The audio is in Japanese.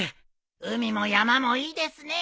海も山もいいですねえ。